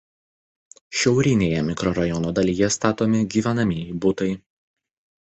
Šiaurinėje mikrorajono dalyje statomi gyvenamieji butai.